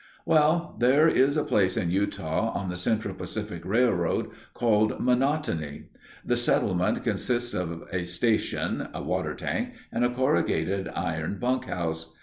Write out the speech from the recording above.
Well, there is a place in Utah on the Central Pacific Railroad called Monotony. The settlement consists of a station, a water tank, and a corrugated iron bunk house.